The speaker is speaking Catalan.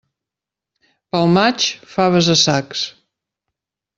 Pel maig, faves a sacs.